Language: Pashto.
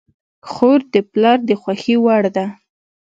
خور د پلار د خوښې وړ ده.